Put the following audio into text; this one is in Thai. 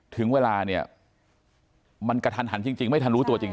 ถึงเวลาเนี่ยมันกระทันหันจริงไม่ทันรู้ตัวจริง